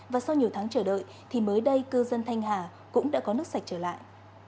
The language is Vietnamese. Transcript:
và sau nhiều tháng chờ đợi thì mới đây cư dân thanh hà cũng đã có nước sạch trở lại